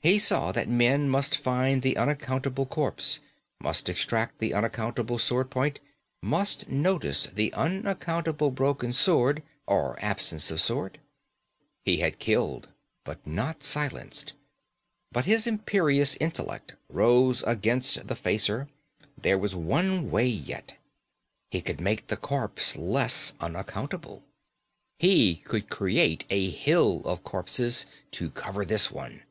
He saw that men must find the unaccountable corpse; must extract the unaccountable sword point; must notice the unaccountable broken sword or absence of sword. He had killed, but not silenced. But his imperious intellect rose against the facer; there was one way yet. He could make the corpse less unaccountable. He could create a hill of corpses to cover this one.